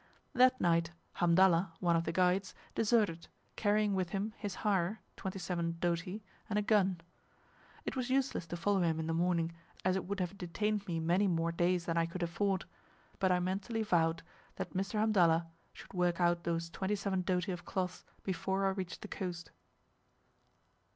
'" That night Hamdallah, one of the guides, deserted, carrying with him his hire (27 doti), and a gun. It was useless to follow him in the morning, as it would have detained me many more days than I could afford; but I mentally vowed that Mr. Hamdallah should work out those 27 doti of cloths before I reached the coast.